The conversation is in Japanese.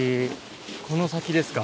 この先ですか。